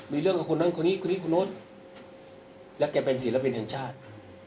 มีเรื่องกับคนนั้นคนนี้คนนี้คนนู้นและแกเป็นศิลปินแห่งชาติ